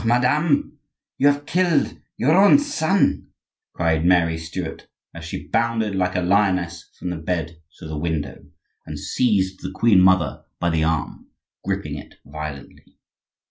madame, you have killed your own son," cried Mary Stuart as she bounded like a lioness from the bed to the window and seized the queen mother by the arm, gripping it violently.